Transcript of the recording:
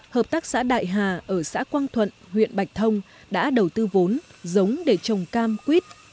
hợp tác xã đại hà ở xã quang thuận huyện bạch thông đã đầu tư vốn giống để trồng cam quýt